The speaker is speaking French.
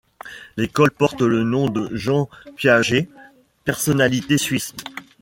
L'école porte le nom de Jean Piaget, personnalité suisse.